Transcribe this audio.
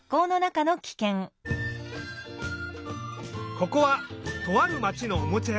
ここはとあるまちのおもちゃやさん。